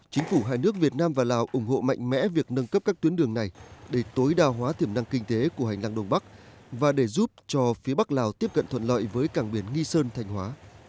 chính phủ hai nước việt nam và lào ủng hộ mạnh mẽ việc nâng cấp các tuyến đường này để tối đa hóa tiềm năng kinh tế của hành lang đông bắc và để giúp cho phía bắc lào tiếp cận thuận lợi với cảng biển nghi sơn thành hóa